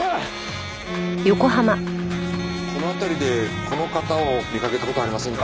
この辺りでこの方を見かけた事はありませんか？